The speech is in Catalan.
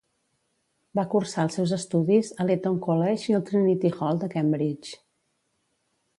Va cursar els seus estudis a l'Eton College i al Trinity Hall de Cambridge.